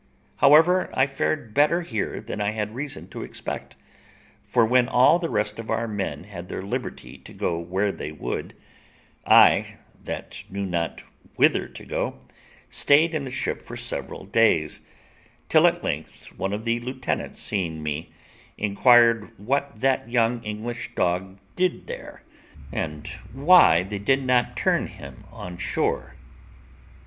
However, I fared better here than I had reason to expect; for when all the rest of our men had their liberty to go where they would, I, that knew not whither to go, stayed in the ship for several days, till at length one of the lieutenants seeing me, inquired what that young English dog did there, and why they did not turn him on shore.